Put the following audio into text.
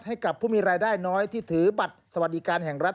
ให้กับผู้มีรายได้น้อยที่ถือบัตรสวัสดิการแห่งรัฐ